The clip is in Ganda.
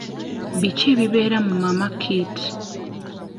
Biki ebibeera mu mama kit?